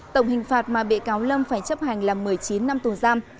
tổng hình phạt mà bị cáo lâm phải chấp hành là một mươi chín năm tù giam